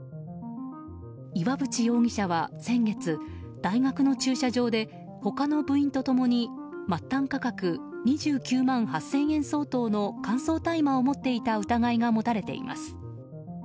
岩渕容疑者は先月大学の駐車場で他の部員と共に末端価格２９万８０００円相当の乾燥大麻を持っていた疑いが持たれています。